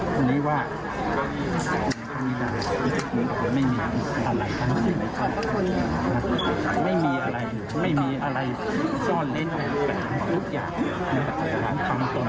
คุณนี้ว่าคุณคุณคุณคุณนี้ได้คุณคุณไม่มีอะไรทั้งสิ่งหรือทั้งสิ่ง